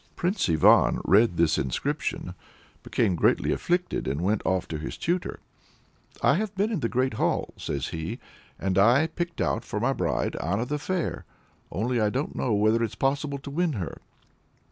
Prince Ivan read this inscription, became greatly afflicted, and went off to his tutor. "I've been in the great hall," says he, "and I picked out for my bride Anna the Fair; only I don't know whether it's possible to win her."